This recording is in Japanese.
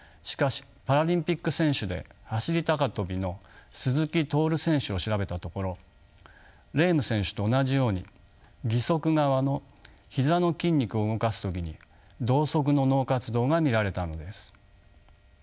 しかしパラリンピック選手で走り高跳びの鈴木徹選手を調べたところレーム選手と同じように義足側の膝の筋肉を動かす時に同側の脳活動が見られたのです。